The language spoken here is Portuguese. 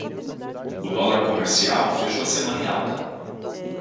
O dólar comercial fechou a semana em alta